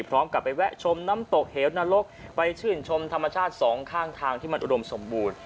พร้อมกับไปแวะชมน้ำตกเหวนรกไปชื่นชมธรรมชาติสองข้างทางที่มันอุดมสมบูรณ์